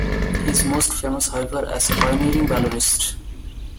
He is most famous, however, as a pioneering balloonist.